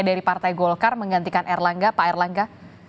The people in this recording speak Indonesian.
dari partai golkar menggantikan erlangga pak erlangga